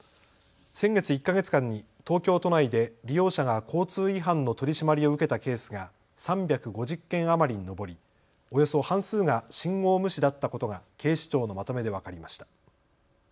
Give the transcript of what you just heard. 先月１か月間に東京都内で利用者が交通違反の取締りを受けたケースが３５０件余りに上り、およそ半数が信号無視だったことが警視庁のまとめで分かりました。